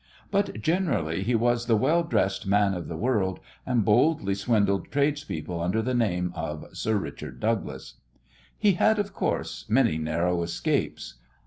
But generally he was the well dressed man of the world, and boldly swindled tradespeople under the name of "Sir Richard Douglas." He had, of course, many narrow escapes.